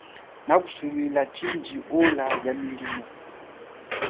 Na kusulwila chindji ola ya milimo.